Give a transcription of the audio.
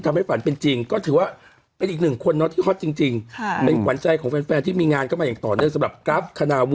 เล่าเล่าข่าวน้องเกลัฟด้วยน้องเกลัฟเขียบพอแล้ว